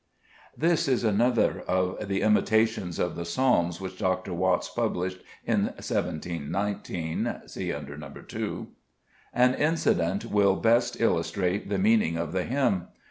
This is another of the "Imitations'' of the Psalms which Dr. Watts published in 1 7 19 see under No. 2). An incident will best illustrate the meaning of the hymn.